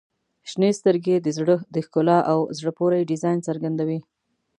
• شنې سترګې د زړه د ښکلا او زړه پورې ډیزاین څرګندوي.